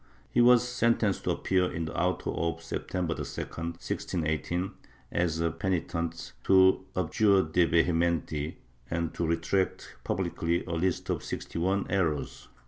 He was sentenced to appear in the auto of September 2, 1618, as a penitent, to abjure de vehementi and to retract publicly a list of sixty one errors.